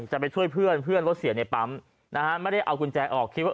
จะไปช่วยเพื่อนเพื่อนรถเสียในปั๊มนะฮะไม่ได้เอากุญแจออกคิดว่า